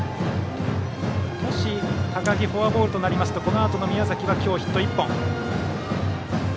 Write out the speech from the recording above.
高木がフォアボールとなるとこのあとの宮崎は今日ヒット１本。